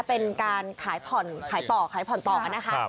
เป็นการขายผ่อนต่อค่ะนะคะ